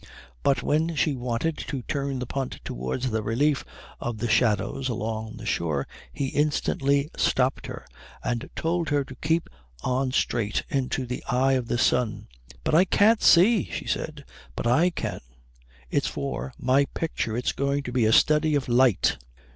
But when she wanted to turn the punt towards the relief of the shadows along the shore he instantly stopped her, and told her to keep on straight into the eye of the sun. "But I can't see," she said. "But I can. It's for my picture. It's going to be a study of light."